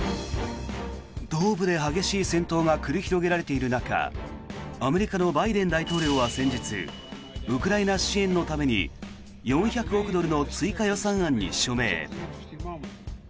東部で激しい戦闘が繰り広げられている中アメリカのバイデン大統領は先日ウクライナ支援のために４００億ドルの追加予算案に署名。